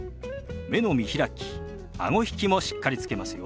目の見開きあご引きもしっかりつけますよ。